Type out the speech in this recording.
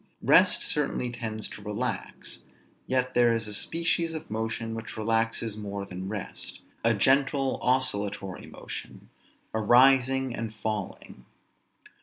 Rest certainly tends to relax: yet there is a species of motion which relaxes more than rest; a gentle oscillatory motion, a rising and falling.